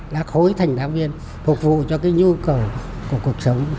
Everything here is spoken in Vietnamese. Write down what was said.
là khối thành đá viên phục vụ cho cái nhu cầu của cuộc sống